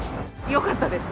よかったです。